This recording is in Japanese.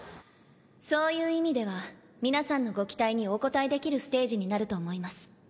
そういう意味では皆さんのご期待にお応えできるステージになると思います。